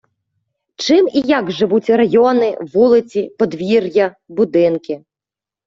чим і як живуть райони, вулиці, подвір"я, будинки.